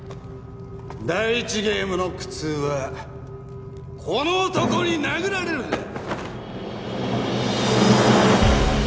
第１ゲームの苦痛は「この男に殴られる」だ。